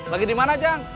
lagi di mana jang